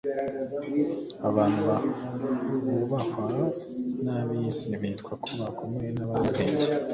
Abantu bubahwa n'ab'isi, bitwa ko bakomeye n'abanyabwenge;